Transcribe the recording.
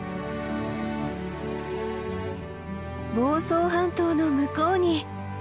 房総半島の向こうに！